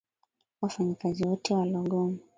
Wafanyikazi wote walogoma.